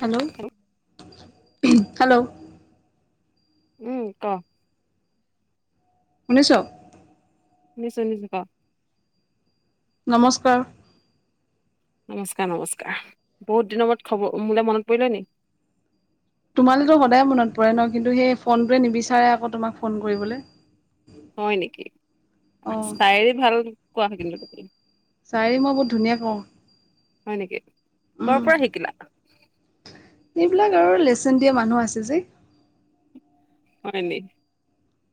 Hello, hello. উম, ক। শুনিছ? শুনিছো, শুনিছো ক। নমস্কাৰ। নমস্কাৰ, নমস্কাৰ। বহুত দিনৰ মূৰত খবৰ মোলে মনত পৰিলে নি? তোমালেতো সদায় মনত পৰে ন, কিন্তু সেই ফোনটোৱে নিবিচাৰে আকৌ তোমাক ফোন কৰিবলে। হয় নেকি? অ চাইৰি ভাল কোৱা কিন্তু তুমি। চাৰি মই বহুত ধুনীয়া কওঁ হয় নেকি? ক'ৰ উম পৰা শিকিলা? এইবিলাক আৰু লেচন দিয়া মানুহ আছে যে। হয় নি?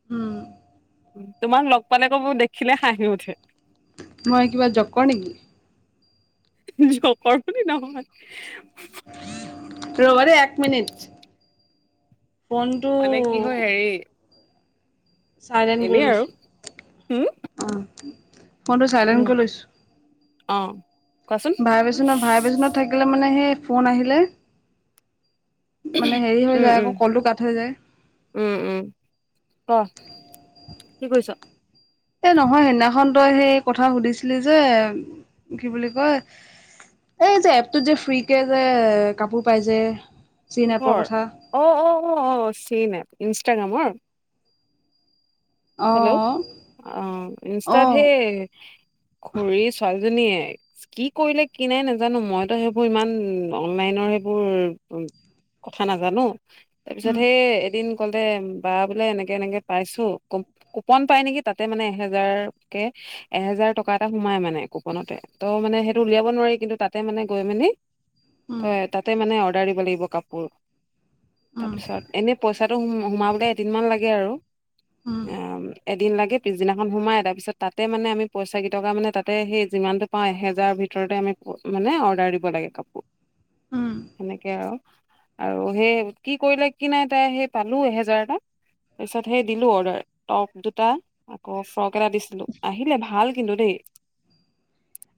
হুম। তোমাক লগ পালে আকৌ মোৰ দেখিলে হাঁহি উঠে। মই কিবা জক্কৰ নেকি? জকৰ বুলি নহয়। ৰ'বা দেই এক মিনিট। ফনটো মানে কি হয় হেৰি চাইলেণ্ট কৰি এনেই আৰু উম লৈছোঁ অ। ফোনটো চাইলেণ্ট উম কৰি লৈছোঁ। অ। কোৱাচোন ভাইবেচনত ভাইবেচনত থাকিলে মানে সে ফোন আহিলে মানে হেৰি হৈ উম যায় উম আকৌ কলটো কাট হৈ যায়। উম, উম ক কি কৈছ? এ নহয় সেইদিনাখন তই সেই কথা সুধিছিলি যে কি বুলি কয় এই যে এপটোত যে ফ্ৰী কে যে কাপোৰ পাই যে। চীন এপৰ কিহৰ? কথা অ-অ-অ-অ চেইন এপ ইনষ্টাগ্ৰামৰ? অ হেল্ল, অ অ ইনষ্টাত সেই খুৰীৰ ছোৱালীজনীয়ে কি কৰিলে কি নাই নাজানো। মইতো সেইবোৰ ইমান অনলাইনৰ সেইবোৰ কথা নাজানো। তাৰ পিছত উম হে এদিন ক'লে বা বোলে এনেকে এনেকে পাইছো। কুপ-কুপন পাই নেকি তাতে মানে এহেজাৰ কে এহেজাৰ টকা এটা সোমাই মানে কুপনতে। ত মানে সেইটো উলিয়াব নোৱাৰি, কিন্তু তাত তাতে মানে গৈ মেলি উম তই তাতে মানে অৰ্ডাৰ দিব লাগিব কাপোৰ। উম তাৰপিছত এনে পইচাটো সো-সোমাবলে এদিন মান লাগে আৰু। উম অ এ এদিন লাগে পিছদিনাখন সোমায়। তাৰপিছত তাতে মানে আমি পইচা কেইটকা মানে তাতে সেই যিমানটো পাওঁ এহেজাৰৰ ভিতৰতে আমি মানে অৰ্ডাৰ দিব লাগে কাপোৰ। উম সেনেকে আৰু আৰু সেই কি কৰিলে কি নাই তাই সেই পালো এহেজাৰ এটা। তাৰপিছত সেই দিলোঁ অৰ্ডাৰ। টপ দুটা আকৌ ফ্ৰক এটা দিছিলো, আহিলে ভাল কিন্তু দেই।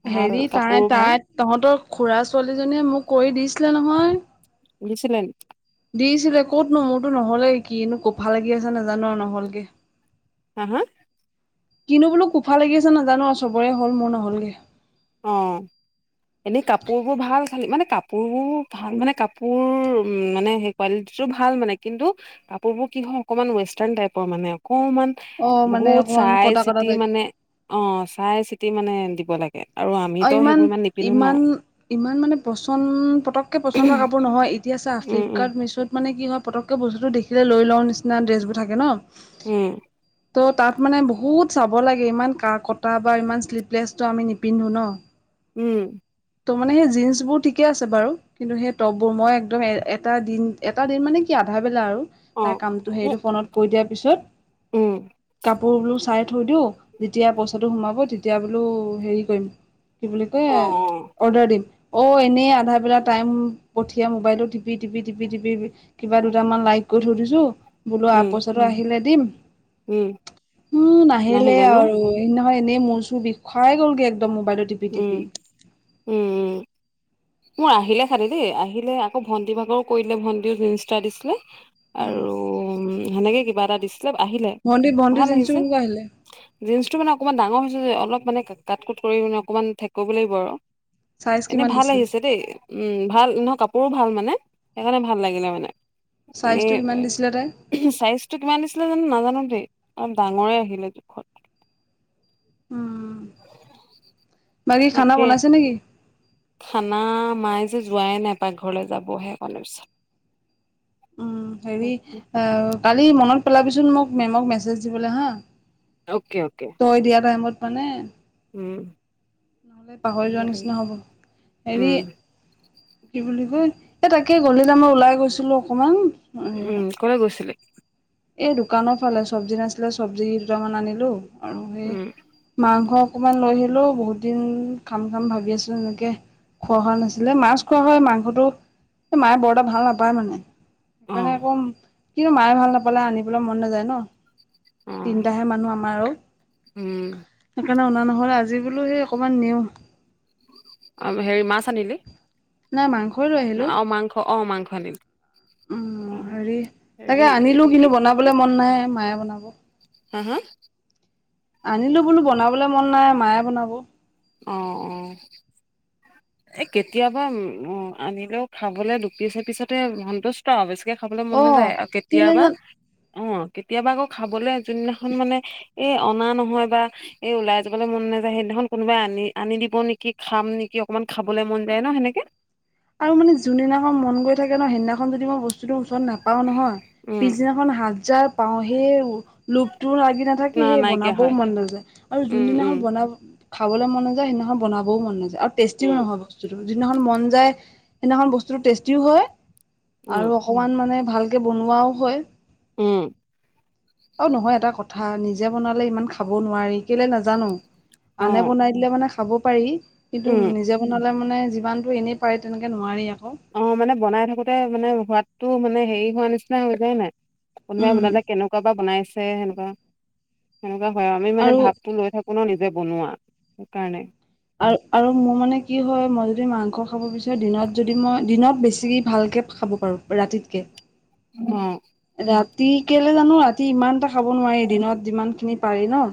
ভাল হেৰি তাই কাপোৰ ভাল তাই তহঁতৰ খুৰা ছোৱালীজনীয়ে মোক কৰি দিছিলে নহয়। দিছিলে নি? দিছিলে ক'তনো মোৰতো নহলে। কিনো কফা লাগি আছে নাজানো আৰু নহ'লগে। হা হা? কিনো বোলো কোফা লাগি আছে নাজানো আৰু চবৰে হ'ল মোৰ নহ'লগে। অঁ। এনে কাপোৰবোৰ ভাল, খালী মানে কাপোৰবোৰ ভাল মানে কাপোৰ উ মানে হে কোৱালিটিটো ভাল মানে কিন্তু কাপোৰবোৰ কি হয় অকমান ৱেষ্টাৰ্ণ টাইপৰ মানে অকমান অ মানে বহুত অকমান চাই কটা কটা চিতি টাইপ মানে অ চাই চিতি মানে দিব লাগ অ ইমান ইমান ইমান মানে পচন্দ পটককে পচন্দ হোৱা কাপোৰ নহয়। ই এতিয়া চা উম উম ফ্লিপকাৰ্ট মিছত মানে কি হয় পটককে বস্তুটো দেখিলে লৈ লওঁ নিচিনা ড্ৰেছবোৰ থাকে ন। উম। ত' তাত মানে বহুত চাব লাগে। ইমান কা কটা বা ইমান শ্লিভলেছটো আমি নিপিন্ধো ন। অ। উম। ত' মানে সেই জিন্চ বোৰ ঠিকে আছে বাৰু, কিন্তু সেই টপবোৰ মই একদম এটা দিন এটা দিন মানে কি আধা বেলা আৰু অ তাইৰ কামটো উ হেৰিটো ফনত কৰি দিয়াৰ পিছত উম। কাপোৰ বোলো চাই থৈ দিওঁ। যেতিয়া পইচাটো সোমাব তেতিয়া বোলো হেৰি কৰিম। কি বুলি কয় অ অ অৰ্ডাৰ দিম, অ' এনেই আধা বেলা টাইম পঠিয়াই মোবাইলটো টিপি টিপি টিপি টিপি কিবা দুটামান লাইক কৰি থৈ দিছো, বোলো আ উম পইচাটো আহিলে দিম। উম উ, নাহিলেই নাহিলে ন আৰু সেইদিনাখন এনেই মোৰ-চোৰ বিষাই গ'লগে একদম মোবাইলত টিপি উম, টিপি উম, উম। মোৰ আহিলে খালে দেই, আহিলে আকৌ ভন্টি ভাগৰো কৰি দিলে। ভন্টি জিন্ছ এটা দিছিলে। উম আৰু সেনেকে কিবা এটা দিছিলে, আহিলে ভণ্টি ভণ্টি ভাল জিন্সটো আহিছে। কেনেকুৱা আহিলে জীনছটো মানে অকমান ডাঙৰ হৈছে যে, অলপ মানে কাট কুট কৰি মানে অকমান ঠেক কৰিব লাগিব আৰু। চাইজ এনে কিমান ভাল দিছিলে আহিছ দেই, উম ভাল নহয় কাপোৰো ভাল মানে। সেইকাৰণে ভাল লাগিলে মানে। এনে চাইজটো কিমান দিছিলে তাই চাইজটো কিমান দিছিলে জানো নাজানো দেই, অলপ ডাঙৰে আহিলে জোখত। উম। বাকী খানা তাকে বনাইছে নে কি? খানা মায়ে যে যোৱাই নাই পাকঘৰলে, যাবহে অলপ পিছত। উম, হেৰি কালি মনত পেলাবিচোন মোক মেমক মেছেজ দিবলে হা। Okay, okay. থৈ দিয়া টাইমত মানে উম। নহ'লে পাহৰি দিব যোৱাৰ লাগিব নিচিনা হ'ব। হেৰি উম কি বুলি কয়, এ তাকে গধূলি টাইমত ওলাই গৈছিলোঁ অকমান। উম, কলে গৈছিলি? এই দোকানৰ ফালে, চব্জি নাছিলে চব্জি দুটামান আনিলোঁ, আৰু সেই উম মাংস অকণমান লৈ আহিলোঁ, বহুত দিন খাম-খাম ভাবি আছোঁ এনেকে খোৱা হোৱা নাছিলে, মাছ খোৱা হয় মাংসটো, মায়ে বৰএতা ভাল নাপায় মানে। অ সেইকাৰণে আকৌ কিন্তু মায়ে ভাল নাপালে আনিবলৈ মন নাযায় ন। অ তিনটাহে মানুহ আমাৰ আৰু। উম। সেইকাৰণে অনা নহ'লে আজি বোলোঁ সেই অকণমান নিওঁ। অ' হেৰি মাছ আনিলি? নাই মাংসই লৈ আহিলোঁ। অ মাংস অ মাংস আনিলি অ উম, হেৰি তাকে হেৰি আনিলোঁ এইটো কি কিন্তু বনাবলে মন নাই, মায়ে বনাব। হাঁ-হাঁ? আনিলোঁ বোলোঁ বনাবলৈ মন নাই মায়ে বনাব। অ', অ'। এই কেতিয়াবা উম আনিলেও খাবলে ডুপিছ, এপিছতে সন্তোষ্ট- ত বেছিকে খাবলৈ মন অ নাযায় আৰু কেলে কেতিয়াবা, জান অ'। কেতিয়াবা আকৌ খাবলে, যোনদিনাখন মানে এই অনা নহয় বা এ উলাই যাবলৈ মন নাযায় সেইদিনাখন কোনোবাই আনি আনি দিব নেকি, খাম নেকি অকমান খাবলৈ মন যায় ন সেনেকে? আৰু মানে যোনদিনাখন মন গৈ থাকে ন, সেইদিনাখন যদি মই বস্তুটো ওচৰত নাপাওঁ নহয় উম পিছদিনাখন হাত যাৰ পাওঁ সেই লোভটো লাগি ন নাথাকি সেই নাইকিয়া বনাবও হয় মন নাযায়। আৰু উম উম যোনদিনাখন বনাব খাবলৈ মন নাযায়, সেইদিনাখন বনাবও মন নাযায় আৰু টেষ্টিও নহয় বস্তুটো, যদিনাখন মন যায় সেইদিনাখন বস্তুটো টেষ্টিও হয় আৰু উম অকণমান মানে ভালকে বনোৱাও হয়। উম। অ', নহয় এটা কথা, নিজে বনালে ইমান খাব নোৱাৰি কেলে নাজানোঁ। অ আনে বনাই দিলে মানে খাব পাৰি। কিন্তু উম নিজে বনালে মানে যিমানটো এনেই পাৰি তেনেকৈ নোৱাৰি আকৌ। অ', মানে বনাই থাকোতে মানে সোৱাদটো মানে হেৰি হোৱা নিচিনা হৈ যায় নাই? কোনোবাই উম বনালে কেনেকুৱা বা বনাইছে সেনেকুৱা। সেনেকুৱা হয় আৰু। আমি মানে ভাৱটো লৈ থাকো ন' নিজে বনোৱা সেইকাৰণে। আৰু-আৰু মোৰ মানে কি হয়, মই যদি মাংস খাব বিচাৰোঁ দিনত যদি মই দিনত বেছি ভালকে খাব ৰাতি'ত কে। অ'। ৰাতি কেলে জানো, ৰাতি ইমান এটা খাব নোৱাৰি দিনত যিমান খিনি পাৰি ন?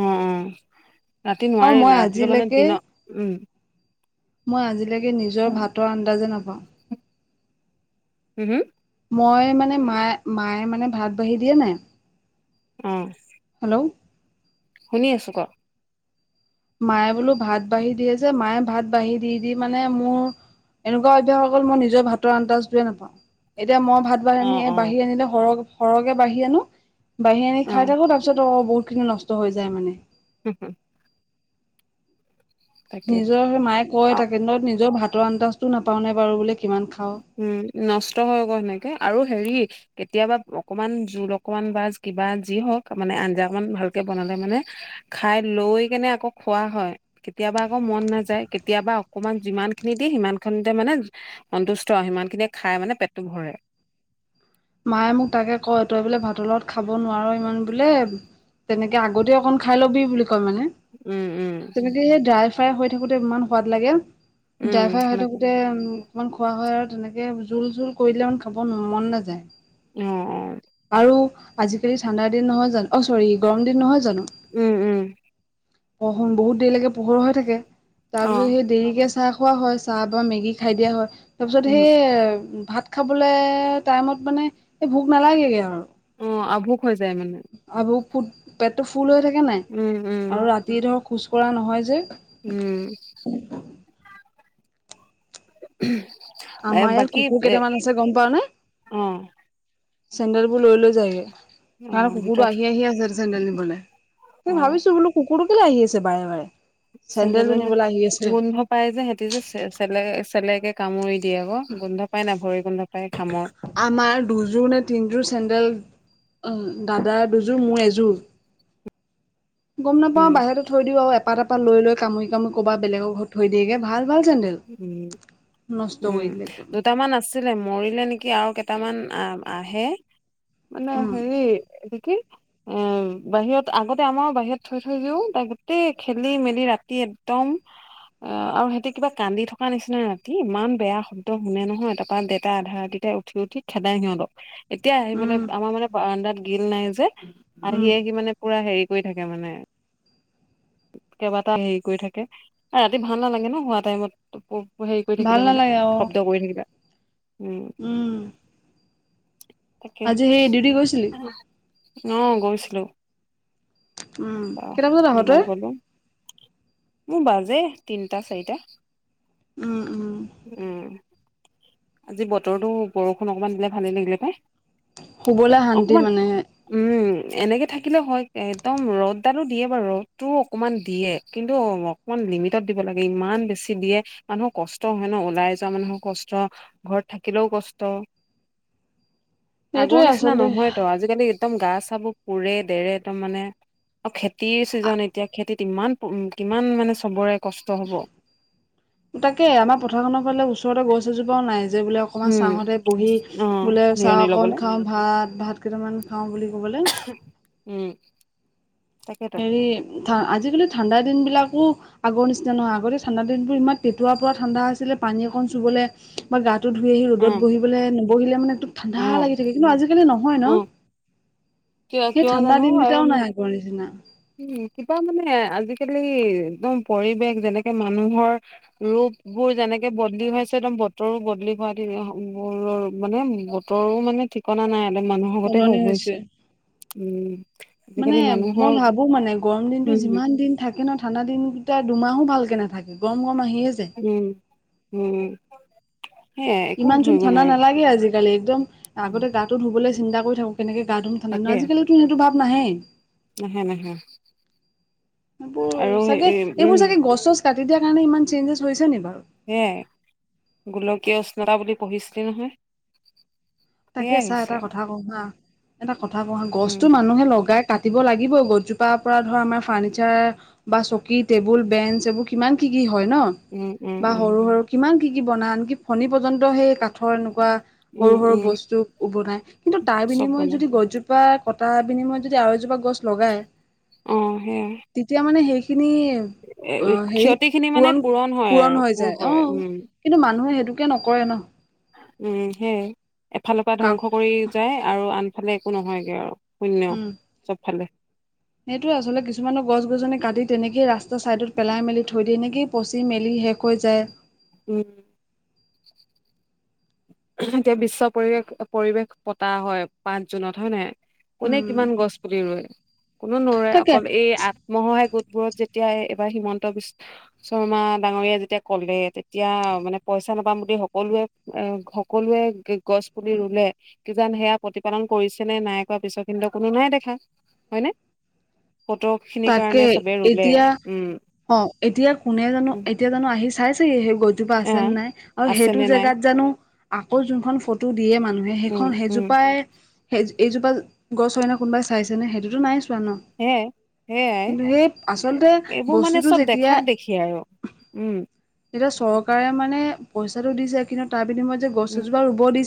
অ', অ', ৰাতি আৰু নোৱাৰি মই ৰাতিটো মানে আজিলৈকে দিনত, উম। মই আজিলৈকে নিজৰ ভাতৰ আন্দাজে নাপাওঁ। হুম-হুম? মই মানে মায়ে-মায়ে মানে ভাত বাঢ়ি দিয়া নাই? অ'। হেল্ল'? শুনি আছোঁ ক? মায়ে বোলো ভাত বাঢ়ি দিয়ে যে মায়ে ভাত বাঢ়ি দি-দি মানে মোৰ এনেকুৱা অভ্যাস হৈ গ'ল, মই নিজৰ ভাতৰ আন্দাজটোৱে নাপাওঁ। এতিয়া মই ভাত অ আনি অ বাঢ়ি আনিলে সৰহ-সৰহকে বাঢ়ি আনো। বাঢ়ি আনি অ খাই থাকোঁ তাৰপিছত অ', বহুত খিনি নষ্ট হৈ যায় মানে। হু-হু। তাকে নিজৰ সেই মায়ে কয় অ তাকে ন' নিজৰ ভাতৰ আন্দাজটো নাপাওঁ নে বাৰু বোলে কিমান খাওঁ। হুম, নষ্ট হয় আকৌ সেনেকে। আৰু হেৰি কেতিয়াবা অকণমান জোল অকমান বা কিবা যি হওঁক মানে আঞ্জা অকণমান ভালকে বনালে মানে খাই লৈ কিনে আকৌ খোৱা হয়। কেতিয়াবা আকৌ মন নাযায়, কেতিয়াবা অকণমান যিমান খিনি দিয়ে সিমান খিনিতে মানে সন্তুষ্ট সিমান খিনিয়ে খাই মানে পেটটো ভৰে। মায়ে মোক তাকে কয় তই বোলে ভাতৰ লগত খাব নোৱাৰ ইমান বোলে তেনেকে আগতে অকণ খাই ল'বি বুলি কয় মানে। উম উম তেনেকে সেই ড্ৰাই-ফ্ৰাই হৈ থাকোতে ইমান সোৱাদ লাগে। উম ড্ৰাইফাই হয় সেনেকে থাকোতে উম অকণমান খোৱা হয় আৰু তেনেকে জোল-চোল কৰিলে ইমান খাব মন নাযায়। অ', অ'। আৰু আজিকালি ঠাণ্ডা দিন নহয় জানোঁ, অ', চৰি গৰম দিন নহয় জানোঁ? উম উম পোহৰ বহুত দেৰিলৈকে পোহৰ হৈ থাকে। তাৰ অ পিছত সেই দেৰিকে চাহ খোৱা হয়, চাহ বা মেগি খাই দিয়া হয়। তাৰ পিছত উম সেই ভাত খাবলে টাইমত মানে এই ভোক নালাগে আৰু। অ', আভুক হৈ যায় মানে। আভুক পেটটো ফুল হৈ থাকে নাই উম উম আৰু ৰাতি ধৰ খোজ কঢ়া নহয় যে। উম। এ আমাৰ ইয়াত বাকী কুকুৰ এ কেইটামান আছে গম পাও নে? অ চেণ্ডেল বোৰ লৈ-লৈ যায় গৈ। অ তাৰ কুকুৰটো ভিতৰত আহি-আহি আছে চেণ্ডেল নিবলে। অ মই ভাবিছোঁ বোলোঁ কুকুৰটো কেলে আহি আছে বাৰে-বাৰে? চেণ্ডেলে চেন্দেলজোৰ নে নিবলৈ আহি আছে। গোন্ধ পাই যে সিহঁতি যে চেলে-চেলেকে কামুৰি দিয়ে আক গোন্ধ পাই নাই ভৰি গোন্ধ পাই ঘামৰ। আমাৰ দুযোৰ নে তিনিযোৰ চেণ্ডেল অ', দাদাৰ দুযোৰ মোৰ এযোৰ। গম নাপাওঁ উম বাহিৰতে থৈ দিওঁ আৰু এপাত-এপাত লৈ-লৈ কামুৰি-কামুৰি কবা বেলেকৰ ঘৰত থৈ দিয়ে গৈ ভাল ভাল চেন্দেল। নষ্ট উম-উম কৰি দিলে একদম দুটামান আছে। আছিলে মৰিলে নেকি, আৰু কেইটামান আহে। মানে উম, হেৰি, এটো কি? উম, বাহিৰত আগতে আমাৰোঁ বাহিৰত থৈ-থৈ দিও তাক গোতেই খেলি মেলি ৰাতি একদম। অ', আৰু সিহঁতি কিবা কান্দি থকা নিচিনা ৰাতি ইমান বেয়া শব্দ শুনে নহয় তাৰপৰা দেতা আধা ৰাতি তে উঠি-উঠি খেদাই সিহঁতক এতিয়া আহিবলৈ উম, আমাৰ মানে বাৰাডাত গিল নাই যে, উম, আহি-আহি মানে পুৰা হেৰি কৰি থাকে মানে। কেইবাটাও হেৰি কৰি থাকে, ৰাতি ভাল নালাগে ন হোৱা টাইমত হেৰি কৰি ভাল থাকিলে মানে, নালাগে অ' শব্দ কৰি থাকিলে। উম। তাকে আজি সেই ডিউটি গৈছিলি? অ', গৈছিলোঁ উম, অ', কেইটা বজাত আহ তই? দিনত। মোৰ বাজে তিনটা চাৰিটা। উম, উম, উম। আজি বতৰো বৰষুণ অকনমান দিলে ভালে লাগিলে পাই। শুবলৈ শান্তি অকমান মানে। উম, এনেকে থাকিলে হয় একদম ৰ'দ ডালো দিয়ে বাৰু ৰ'দটোও অকমান দিয়ে। কিন্তু অকমান লিমিটত দিব লাগে ইমান বেছি দিয়ে মানুহৰ কষ্ট হয় ন, ওলাই যোৱা মানুহৰ কষ্ট ঘৰত থাকিলেও কষ্ট। আগৰ সেইটোৱে নিচিনা আচলতে নহয়তো আজিকালি একদম গা চাবোৰ পুৰে দেৰে একদম মানে আৰু খেতিৰ চিজন এতিয়া খেতিত কিমান-কিমান মানে চবৰে কষ্ট হ'ব। তাকে আমাৰ পথাৰ খনৰ ফালে ওচৰতে গছ এজোপাও নাই। যে বোলে অকণমান উম, চাহতে বহি অ', বোলে চাহ জিৰণি অকণ ল'বলে খাওঁ ভাত-ভাত কেইটামান খাওঁ বুলি ক'বলৈ। উম। তাকেতো হেৰি আজিকালি ঠাণ্ডা দিন বিলাকো আগৰ নিচিনা নহয় আগতে ঠাণ্ডা দিনবোৰ ইমান পটঁটুৱাৰ পৰা ঠাণ্ডা আছিলে, পানী অকণ চুবলৈ বা গাটো ধুই আহি ৰ'দত অ', বহিবলৈ, নবহিলে মানে ঠাণ্ডা অ', লাগি থাকে কিন্তু আজিকালি নহয় ন? অ', কিয় সেই কিয় ঠাণ্ডা জানো দিনকেইটাও আৰু নাই আগ নিচিনা। উম, কিবা মানে আজিকালি একদম পৰিৱেশ যেনেকে মানুহৰ ৰূপ বোৰ যেনেকে বদলি হৈছে একদম বতৰো বদলি হোৱা [unintelligible] মানে তৰো মানে ঠিক কনা নাই, একদম মানুহৰ আগতে সলনি হৈ হৈছে গছে, উম। মানে আজিকালি মই মানুহৰ ভাবো মানে গৰম দিনটো উম, যিমান দিন থাকে ন ঠাণ্ডা দিন কিটা দুমাহো ভালকৈ নাথাকে গৰম-গৰম আহিয়ে যায়। উম-উম। ইমান চুন ঠাণ্ডা নালাগে আজিকালি একদম উম, আগতে গাটো ধুবলৈ চিন্তা কৰি থাকোঁ, কেনেকে গা ধুম তাকে আজিকালি টো হেতু ভাৱ নাহে। নাহে নাহে এইবোৰ আৰু চাগে এ এইবোৰ উম, চাগে গছ চচ কাতি দিয়াৰ কাৰণ ইমান চেঞ্জেছ হৈছে নি বাৰু? সে গোলকীয় উষ্ণতা বুলি পঢ়িছিলি নহয়? তাকে সেয়াই চা হৈছে এটা আৰু কথা কহা, এটা কথা কহা গছতটো উম। মানুহে লগাই কাটিব লাগিব গছজোপাৰ পৰা ধৰা আমাৰ ফাৰ্ণিচাৰ বা চকী, টেবুল, বেঞ্চ, এইবোৰ কিমান কি-কি হয় ন? উম, উম, বা উম, সৰু-সৰু কিমান কি-কি বনাই আনকি ফণী পৰ্যন্ত সেই ক থ এনেকুৱা উম, সৰু-সৰু উম, বস্তু বনাই, কিন্তু তাৰ চব বিনিময় বনাম যদি গছজোপা কটাৰ বিনিময়ত যদি আৰু এজোপা গছ লগায় অ', সেইয়াই। তেতিয়া মানে সেইখিনি অ', হেৰি ক্ষতি খিনি মানে পূৰণ হয় আৰু পূৰণ-পূৰণ হৈ পূৰ যায়, হয় অ'। উম কিন্তু মানুহে সেইটোকে নকৰে ন? উম, সেয়াই এফালৰ পৰা কাক ধ্বংস কৰি যায় আৰু আনফালে একো নহয়গে আৰু। শূন্য, চবফালে। সেইটোয় আচলতে কিছুমানৰ গছ গছনি কাটি তেনেকে ৰাস্তা চাইডত পেলাই মেলি থৈ দিয়ে নেকি পচি মেলি শেষ হৈ যায়। উম। এতিয়া বিশ্ব পৰিৱেশ-পৰিৱেশ পতা হয় পাঁচ জুনত হয় নাই? কোনে উম কিমান গছ পুলি ৰুৱৈ? কোনে নৰুয় তাকে অকল এই আ মহহায় গোটবোৰত যেতিয়া এইবাৰ হিমন্ত বিশ শৰ্মা ডাঙৰীয়াই যেতিয়া কলে তেতিয়া মানে পইচা নাপাম বুলি সকলোৱে এ সকলোৱে গছ পুলি ৰুলে কিজান সেয়া প্ৰতিপালন কৰিছে নে নাই কৰা পিছৰ খিন কোনো নাই দেখা, হয়নে? ফত' তাকে এতিয়া অ', এতিয়া কোনে জানোঁ উম এতিয়া জানোঁ আহি চাই চেসি সেই গৈ জোপা এ আছে নাই আৰু সেইটো আছেনে নাই জেগাত জানোঁ আকৌ যোনখন ফটো দিয়ে মানুহে উম সেইখন উম সেইজোপাই সেই এইজোপা গছ হয়নে কোনোবাই চাইছেনে সেইটোতো নাই চোৱা ন? সেয়াই-সেয়াই কিন্তু সেই আচলতে এইবোৰ মানে বস্তুটো চব যেতিয়া দেখাক দেখি আৰু, উম। তেতিয়া চৰকাৰে মানে পইচাটো দিছে কিন্তু তাৰ বিনিময়ত যে উম গছজোপা ৰুব দিছে